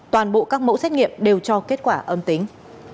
toàn bộ các mẫu xét nghiệm đều cho kết quả âm tính